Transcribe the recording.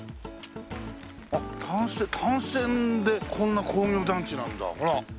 あっ単線でこんな工業団地なんだほら。